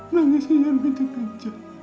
nanti saya makan aja